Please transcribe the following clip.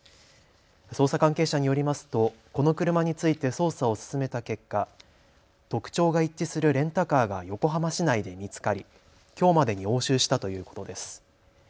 捜査関係者によりますとこの車について捜査を進めた結果、特徴が一致するレンタカーが横浜市内で見つかり、きょうまでに押収したということです。